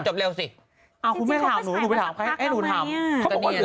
จบเร็วสิอ้าวกูไม่ถามหนูหนูไปถามให้ให้หนูทำเค้าบอกเลย